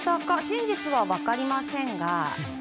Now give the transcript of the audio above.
真実は分かりませんが。